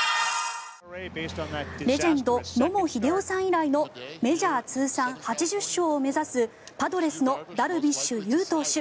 レジェンド・野茂英雄さん以来のメジャー通算８０勝を目指すパドレスのダルビッシュ有投手。